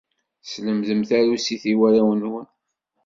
Teslemdem tarusit i warraw-nken.